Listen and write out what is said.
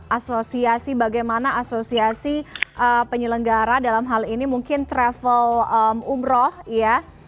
asosiasi bagaimana asosiasi penyelenggara dalam hal ini mungkin travel umroh ya